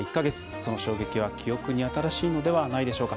その衝撃は記憶に新しいのではないでしょうか。